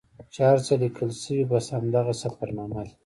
چې هر څه لیکل سوي بس همدغه سفرنامه ده.